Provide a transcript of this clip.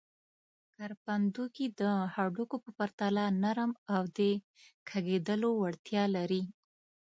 کرپندوکي د هډوکو په پرتله نرم او د کږېدلو وړتیا لري.